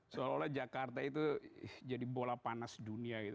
seolah olah jakarta itu jadi bola panas dunia gitu